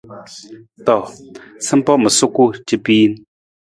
To, sampa ma suku capiin.